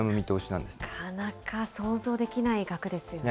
なかなか想像できない額ですよね。